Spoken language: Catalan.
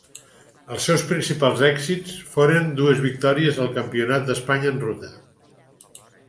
Els seus principals èxits foren dues victòries al Campionat d'Espanya en ruta.